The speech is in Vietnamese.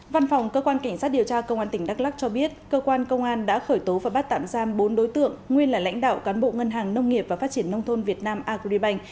văn phòng cơ quan cảnh sát điều tra công an tỉnh đắk lắc cho biết cơ quan công an đã khởi tố và bắt tạm giam bốn đối tượng nguyên là lãnh đạo cán bộ ngân hàng nông nghiệp và phát triển nông thôn việt nam agribank